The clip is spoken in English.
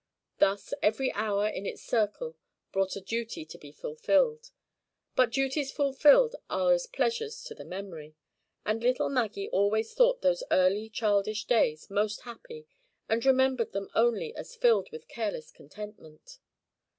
Thus every hour in its circle brought a duty to be fulfilled; but duties fulfilled are as pleasures to the memory, and little Maggie always thought those early childish days most happy, and remembered them only as filled with careless contentment.